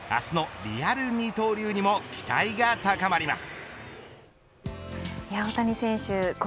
明日のリアル二刀流にも期待が高まります。